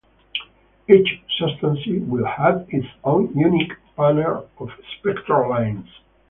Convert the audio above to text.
Each substance will have its own unique pattern of spectral lines.